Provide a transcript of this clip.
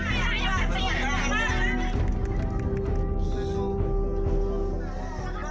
lapa kan digantungnya di sini pak